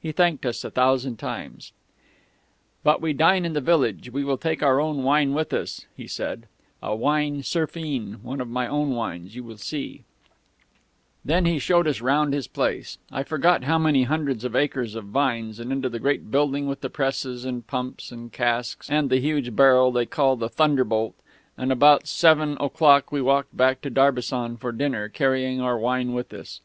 He thanked us a thousand times. "'But though we dine in the village, we will take our own wine with us,' he said, 'a wine surfin one of my wines you shall see ' "Then he showed us round his place I forget how many hundreds of acres of vines, and into the great building with the presses and pumps and casks and the huge barrel they call the thunderbolt and about seven o'clock we walked back to Darbisson to dinner, carrying our wine with us.